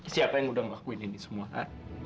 siapa yang udah ngelakuin ini semua